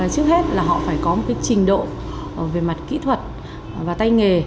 trước hết là họ phải có một trình độ về mặt kỹ thuật và tay nghề